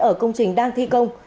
ở công trình đang thi công